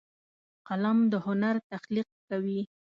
قلم د هنر تخلیق کوي